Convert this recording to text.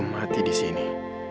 saya tidak ketik